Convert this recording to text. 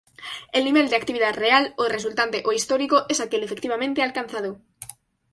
El nivel de actividad real -o resultante, o histórico- es aquel efectivamente alcanzado.